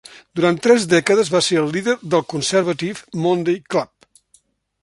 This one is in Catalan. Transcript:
Durant tres dècades va ser el líder del Conservative Monday Club.